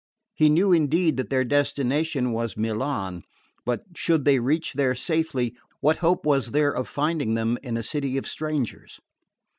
He knew indeed that their destination was Milan, but, should they reach there safely, what hope was there of finding them in a city of strangers?